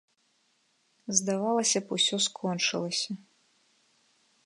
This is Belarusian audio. Здавалася б, усё скончылася.